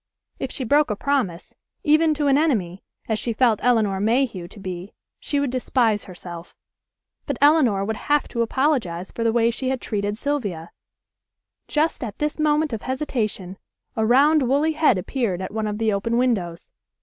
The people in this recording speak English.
If she broke a promise, even to an enemy, as she felt Elinor Mayhew to be, she would despise herself. But Elinor would have to apologize for the way she had treated Sylvia. Just at this moment of hesitation a round woolly head appeared at one of the open windows.